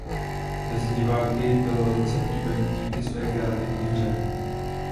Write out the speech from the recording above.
Mezi diváky byl velice oblíbený díky své kreativní hře.